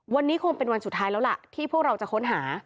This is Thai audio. วันนี้คงเป็นวันสุดท้ายแล้วล่ะที่พวกเราจะค้นหา